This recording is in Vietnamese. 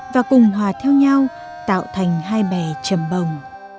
và cùng hòa theo nhau tạo thành hai bè trầm bồng